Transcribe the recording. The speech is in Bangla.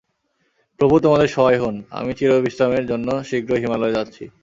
প্রভু তোমাদের সহায় হোন! আমি চিরবিশ্রামের জন্য শীঘ্রই হিমালয়ে যাচ্ছি।